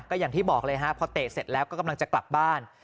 ก็อย่างที่บอกเลยฮะพอเตะเสร็จแล้วก็กำลังจะกลับบ้าน